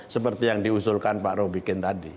seperti yang diusulkan pak robikin tadi